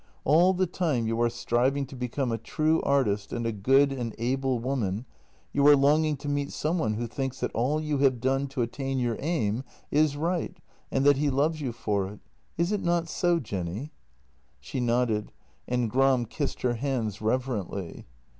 All the time you are striving to become a true artist and a good and able woman, you are longing to meet some one who thinks that all you have done to attain your aim is right and that he loves you for it — is it not so, Jenny?" She nodded, and Gram kissed her hands reverently.